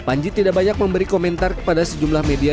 panji tidak banyak memberi komentar kepada sejumlah media